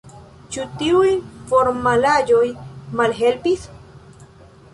Ĉu tiuj formalaĵoj malhelpis?